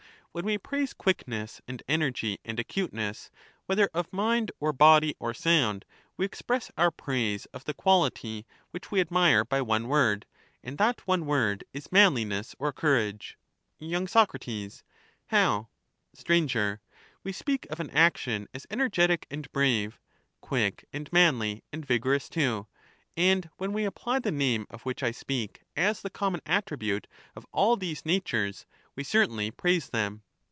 When we praise quickness eeUc^acUon ^^^ ^^^^gy and acuteness, whether of mind or body or by applying sound, we express our praise of the quality which we ''twave"*^^^ admire by one word, and that one word is manliness or to it. courage. Y.Soc. How? Str. We speak of an action as energetic and brave, quick and manly, and vigorous too ; and when we apply the name of which I speak as the common attribute of all these natures, we certainly praise them.